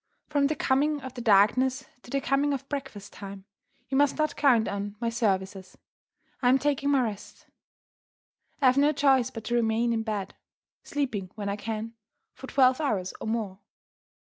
"From the coming of the darkness to the coming of breakfast time, you must not count on my services I am taking my rest. I have no choice but to remain in bed (sleeping when I can) for twelve hours or more.